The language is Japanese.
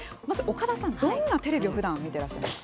岡田さん、どんなテレビをふだん、見ていらっしゃいます？